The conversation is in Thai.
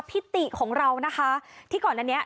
ติของเรานะคะที่ก่อนอันนี้